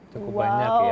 cukup banyak ya